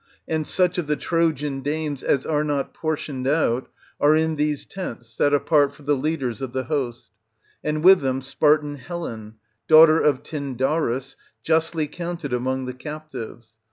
And such of the Trojan dames as are not portioned out, are in these tents, set apart for the leaders of the host ; and with them Spartan Helen, daughter of Tyndarus, justly counted among the captives.